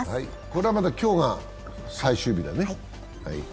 これはまだ今日が最終日だね。